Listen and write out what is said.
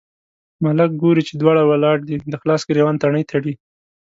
ملک ګوري چې دواړه ولاړ دي، د خلاص ګرېوان تڼۍ تړي.